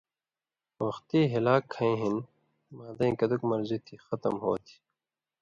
وختی بِلال کھَیں ہِن معدَیں کتُک مرضی تھی، ختم ہوتھی۔